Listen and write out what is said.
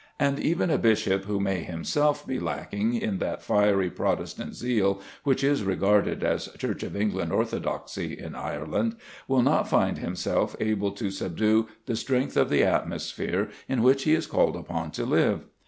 And even a bishop who may himself be lacking in that fiery Protestant zeal which is regarded as Church of England orthodoxy in Ireland, will not find himself able to subdue the strength of the atmosphere in which he is called upon to live.